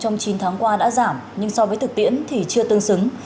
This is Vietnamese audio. trong chín tháng qua đã giảm nhưng so với thực tiễn thì chưa tương xứng